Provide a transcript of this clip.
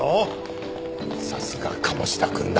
さすが鴨志田くんだ。